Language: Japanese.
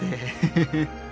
フフフフ。